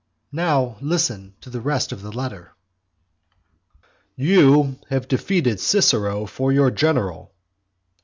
Now listen to the rest of the letter. XV. "You have the defeated Cicero for your general."